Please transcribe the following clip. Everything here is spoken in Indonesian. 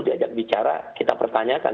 diajak bicara kita pertanyakan